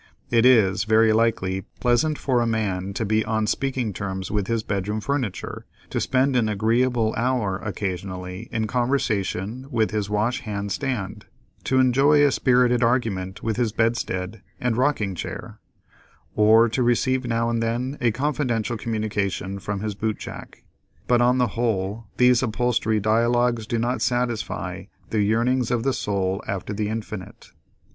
It is, very likely, pleasant for a man to be on speaking terms with his bedroom furniture, to spend an agreeable hour occasionally in conversation with his washhand stand, to enjoy a spirited argument with his bedstead and rocking chair, or to receive now and then a confidential communication from his bootjack, but on the whole, these upholstery dialogues do not satisfy the "yearnings of the soul after the infinite."